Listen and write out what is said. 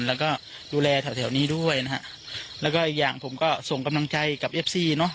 แล้วก็ดูแลแถวแถวนี้ด้วยนะฮะแล้วก็อีกอย่างผมก็ส่งกำลังใจกับเอฟซี่เนอะ